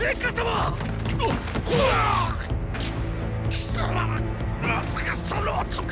まさかその男と。